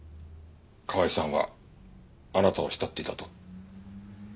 河合さんはあなたを慕っていたと。